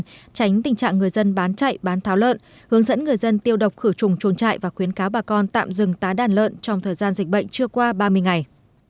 tránh tình trạng người dân bán chạy bán tháo lợn hướng dẫn người dân tiêu độc khử trùng chuồn trại và khuyến cáo bà con tạm dừng tá đàn lợn trong thời gian dịch bệnh chưa qua ba mươi ngày